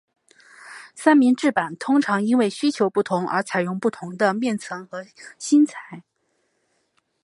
三明治板通常因为需求不同而采用不同的面层和芯材。